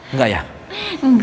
nggak ya nggak